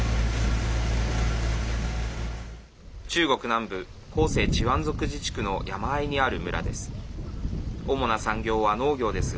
中国南部広西チワン族自治区の山あいにある村です。